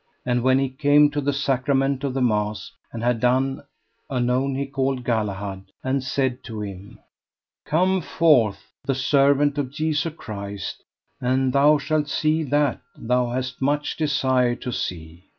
And when he came to the sacrament of the mass, and had done, anon he called Galahad, and said to him: Come forth the servant of Jesu Christ, and thou shalt see that thou hast much desired to see.